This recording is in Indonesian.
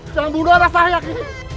jangan bunuh anak saya ki